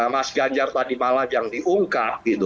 mas ganjar tadi malam yang diungkap gitu